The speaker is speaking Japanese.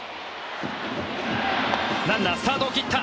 ランナースタートを切った。